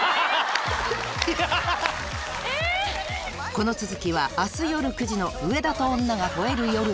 この続きは明日夜９時の『上田と女が吠える夜』で